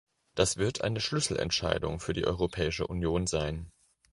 Das wird eine Schlüsselentscheidung für die Europäische Union sein.